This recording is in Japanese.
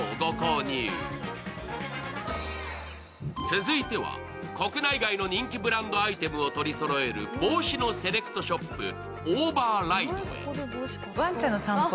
続いては、国内外の人気ブランドアイテムを取りそろえる帽子のセレクトショップ、ＯＶＥＲＲＩＤＥへ。